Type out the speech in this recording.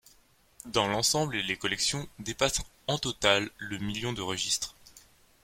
Dans l'ensemble, les collections dépassent en total le millions de registres.